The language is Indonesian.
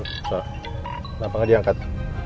kenapa gak diangkat